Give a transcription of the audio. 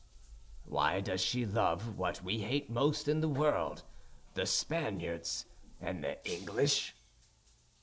"Why does she love what we hate most in the world, the Spaniards and the English?"